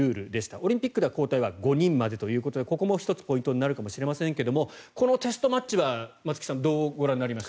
オリンピックでは交代は５人までということでここも１つポイントになるかもしれませんがこのテストマッチは、松木さんどうご覧になりました？